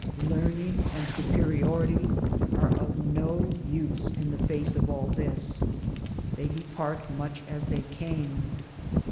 Learning and superiority are of no use in the face of all this : they depart much as they came.